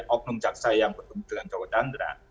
oknum jaksa yang bertemu dengan joko chandra